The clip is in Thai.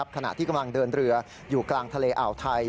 ขณะที่กำลังเดินเรืออยู่กลางทะเลอ่าวไทย